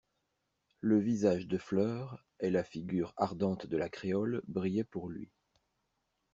Le visage de fleur, et la figure ardente de la créole brillaient pour lui.